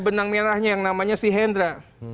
benang merahnya yang namanya si hendra